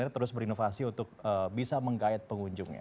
terus berinovasi untuk bisa menggayat pengunjungnya